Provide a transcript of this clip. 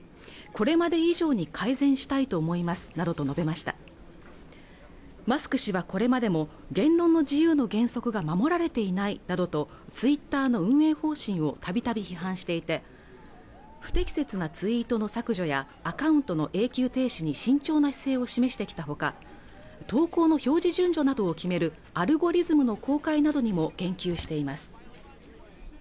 これまで以上に改善したいと思いますなどと述べましたマスク氏はこれまでも言論の自由の原則が守られていないなどとツイッターの運営方針をたびたび批判していて不適切なツイートの削除やアカウントの永久停止に慎重な姿勢を示してきたほか投稿の表示順序などを決めるアルゴリズムの公開などにも言及しています